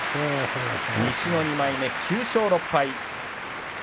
西の２枚目、９勝６敗。